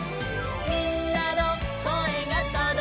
「みんなのこえがとどいたら」